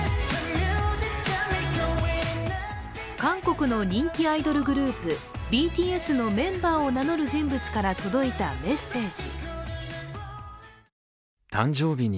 韓国の人気アイドルグループ、ＢＴＳのメンバーを名乗る人物から届いたメッセージ。